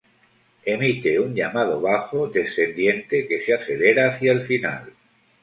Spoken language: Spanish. Emite un llamado bajo, descendiente, que se acelera hacia el final.